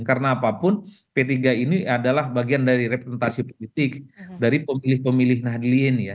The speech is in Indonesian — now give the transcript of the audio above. karena apapun p tiga ini adalah bagian dari representasi politik dari pemilih pemilih nahdliin ya